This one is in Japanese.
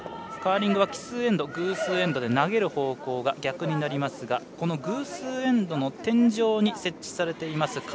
カーリングは奇数エンド偶数エンドで投げる場所が逆になりますがこの偶数エンドの天井に設置されています